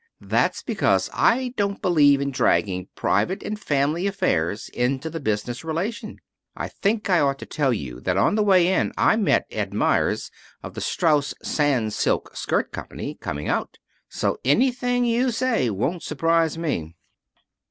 That's because I don't believe in dragging private and family affairs into the business relation. I think I ought to tell you that on the way in I met Ed Meyers, of the Strauss Sans silk Skirt Company, coming out. So anything you say won't surprise me."